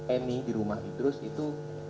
any di rumah idrus itu